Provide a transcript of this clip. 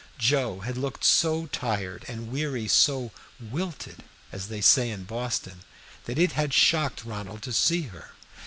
Joe had looked so tired and weary, so "wilted," as they say in Boston, that it had shocked Ronald to see her.